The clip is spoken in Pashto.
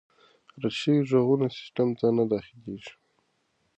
رد شوي ږغونه سیسټم ته نه داخلیږي.